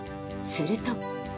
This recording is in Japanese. すると。